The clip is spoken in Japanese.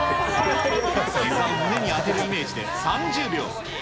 ひざを胸に当てるイメージで３０秒。